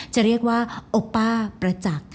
จะเรียกว่าประจักษ์